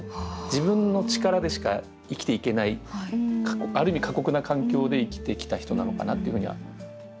自分の力でしか生きていけないある意味過酷な環境で生きてきた人なのかなっていうふうには思います。